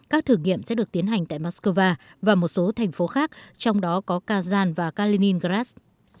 các thử nghiệm sẽ được tiến hành tại moscow và một số thành phố khác trong đó có kazan và kaliningrad